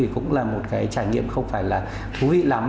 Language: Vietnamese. cũng là một cái trải nghiệm không phải là thú vị lắm